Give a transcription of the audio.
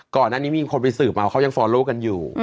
ก่อนที่นี่มีคนนี้ไปสื่อมาเขายังฟอลลวกันอยู่